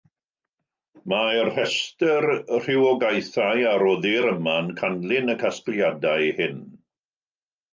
Mae'r rhestr rhywogaethau a roddir yma'n canlyn y casgliadau hyn.